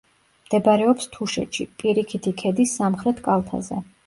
მდებარეობს თუშეთში, პირიქითი ქედის სამხრეთ კალთაზე.